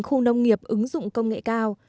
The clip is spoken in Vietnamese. khu nông nghiệp ứng dụng công nghệ cao